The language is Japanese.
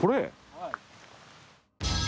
はい。